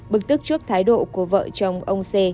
bực tức trước thái độ của vợ chồng ông xê